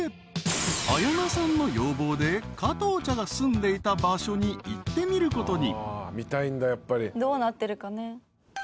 ［綾菜さんの要望で加藤茶が住んでいた場所に行ってみることに］